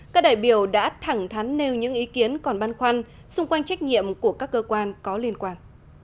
các đại biểu đã thẳng thắn nêu những ý kiến còn băn khoăn xung quanh trách nhiệm của các cơ quan có liên quan